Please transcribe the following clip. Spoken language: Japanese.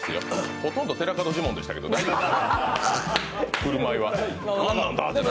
ほとんど寺門ジモンでしたけどね、振る舞いは。